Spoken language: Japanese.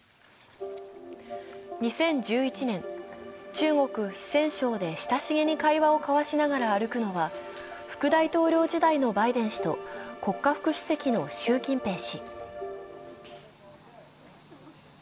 ２０１１年、中国・四川省で親しげに会話を交わしながら歩くのは、副大統領時代のバイデン氏と国家副主席の習近平氏。